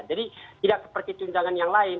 jadi tidak seperti tunjangan yang lain